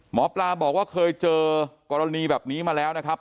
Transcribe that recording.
หมอปลาบอกว่าเคยเจอกรณีแบบนี้มาแล้วนะครับ